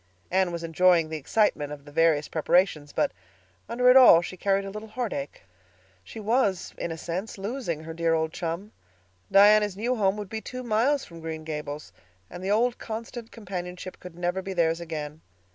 Anne was enjoying the excitement of the various preparations, but under it all she carried a little heartache. She was, in a sense, losing her dear old chum; Diana's new home would be two miles from Green Gables, and the old constant companionship could never be theirs again.